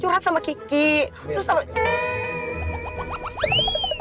aku berlatih sama kiki terus sama